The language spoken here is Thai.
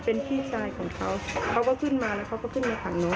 เป็นพี่ชายของเขาเขาก็ขึ้นมาแล้วเขาก็ขึ้นมาถามหนู